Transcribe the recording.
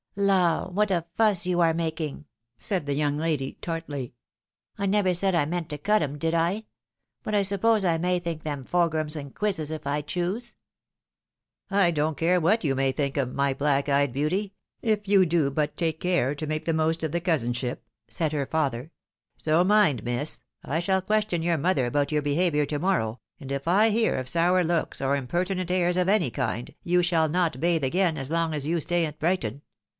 " La ! what a fuss you are making! " said the young lady, tartly ;" I never said I meant to cut 'em, did I? But I sup pose I may think them fogrums and quizzes, if I choose ?" "I don't care what you may think 'em, my black eyed beauty, if you do but take care to make the most of the cousin ship," said her father. " So mind, miss, I shall question your mother about your behaviour to morrow, and if I hear of sour looks, or impertinent airs of any kind, you shall not bathe again as long as you stay at Brighton.